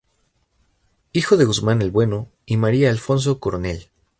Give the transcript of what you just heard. Hijo de Guzmán el Bueno y María Alfonso Coronel.